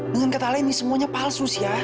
dengan kata lain ini semuanya palsu sya